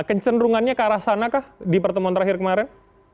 kecenderungannya ke arah sana kah di pertemuan terakhir kemarin